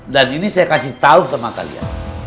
dan ini saya kasih tahu sama kalian